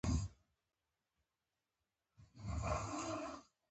پاملرنه وکړئ